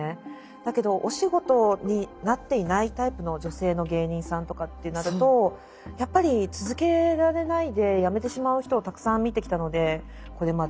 だけどお仕事になっていないタイプの女性の芸人さんとかってなるとやっぱり続けられないでやめてしまう人をたくさん見てきたのでこれまで。